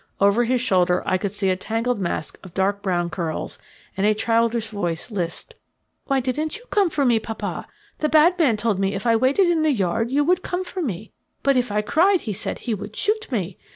Over his shoulder I could see a tangled mass of dark brown curls, and a childish voice lisped: "Why didn't you come for me, papa? The bad man told me if I waited in the yard you would come for me. But if I cried he said he would shoot me.